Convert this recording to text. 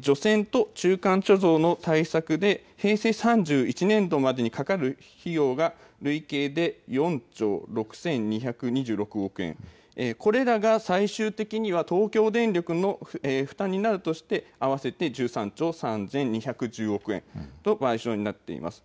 除染と中間貯蔵の対策で、平成３１年度までにかかる費用が累計で４兆６２２６億円、これらが最終的には、東京電力の負担になるとして、合わせて１３兆３２１０億円の賠償になっています。